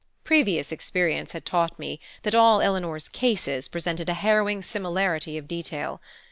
Previous experience had taught me that all Eleanor's "cases" presented a harrowing similarity of detail.